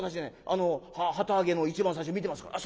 あの旗揚げの一番最初見てますから」。